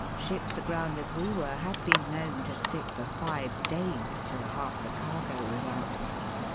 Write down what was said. Ships aground as we were had been known to stick for five days, till half the cargo was out.